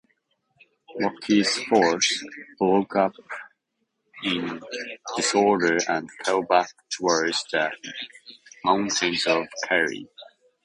Roche's force broke up in disorder and fell back towards the mountains of Kerry.